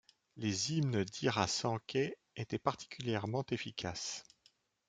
Les hymnes d'Ira Sankey étaient particulièrement efficaces.